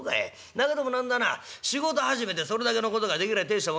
だけども何だな仕事始めでそれだけのことができりゃてえしたもんだ。